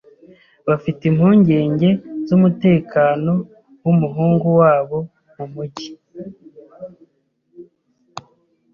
Bafite impungenge zumutekano wumuhungu wabo mumujyi.